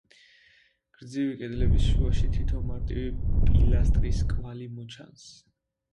გრძივი კედლების შუაში თითო მარტივი პილასტრის კვალი მოჩანს.